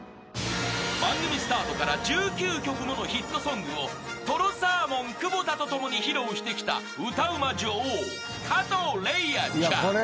［番組スタートから１９曲ものヒットソングをとろサーモン久保田と共に披露してきた歌うま女王加藤礼愛ちゃん］